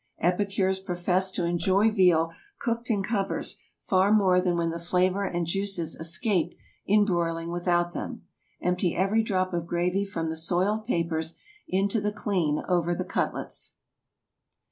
Epicures profess to enjoy veal cooked in covers far more than when the flavor and juices escape in broiling without them. Empty every drop of gravy from the soiled papers into the clean over the cutlets.